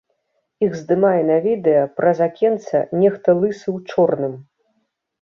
Іх здымае на відэа праз акенца нехта лысы ў чорным.